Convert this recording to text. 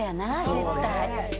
絶対。